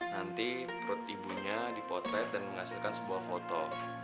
nanti perut ibunya dipotret dan menghasilkan sebuah foto